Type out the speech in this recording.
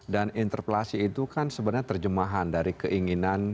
dan interpelasi itu kan sebenarnya terjemahan dari keinginan